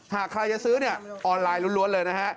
หากใครจะซื้อเนี่ยออนไลน์ล้วนเลยนะฮะ